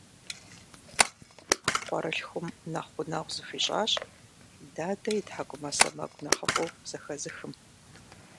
Къуэрылъхум нэхъ гъунэгъу зыхуищӀащ дадэ и тхьэкӀумэ сэмэгу нэхъыфӀу зэхэзыхым.